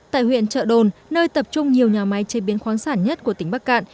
tại huyện trợ đồn nơi tập trung nhiều nhà máy chế biến khoáng sản nhất của tỉnh bắc cạn